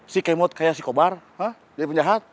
si kemot kayak si kobar jadi penjahat